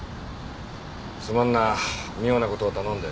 すまんな妙な事を頼んで。